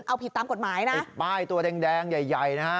เอาผิดตามกฎหมายนะติดป้ายตัวแดงแดงใหญ่ใหญ่นะฮะ